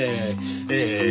ええ。